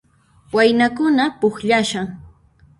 Waynakuna pukllashan